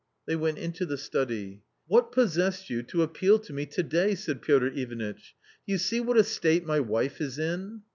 They went into the study. " What possessed you to appeal to me to day ?" said Piotr Ivanitch. " Do you see w hat a state my wife is in.